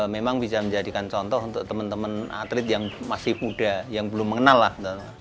memang bisa menjadikan contoh untuk teman teman atlet yang masih muda yang belum mengenal lah